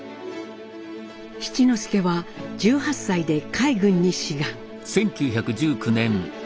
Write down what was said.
七之助は１８歳で海軍に志願。